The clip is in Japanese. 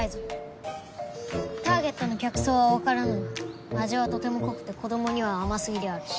ターゲットの客層はわからぬが味はとても濃くて子供には甘すぎであるし。